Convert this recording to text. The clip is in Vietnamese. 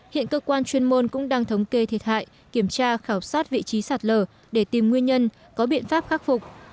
hiện cơ quan chuyên môn cũng đang thống kê thiệt hại kiểm tra khảo sát vị trí sạt lở để tìm nguyên nhân có biện pháp khắc phục